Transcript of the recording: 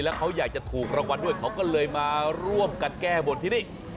แล้วเขาอยากจะถูกรางวัลด้วยเขาก็เลยมาร่วมกันแก้บนที่นี่